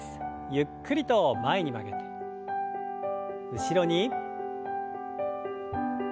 ゆっくりと前に曲げて後ろに。